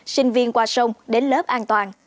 sinh viên qua sông đến lớp an toàn